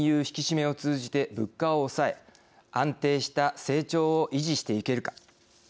引き締めを通じて物価を抑え、安定した成長を維持していけるか。